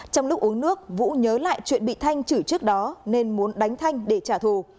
trong lúc uống nước vũ nhớ lại chuyện bị thanh chửi trước đó nên muốn đánh thanh để trả thù